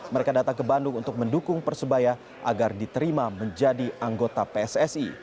mereka datang ke bandung untuk mendukung persebaya agar diterima menjadi anggota pssi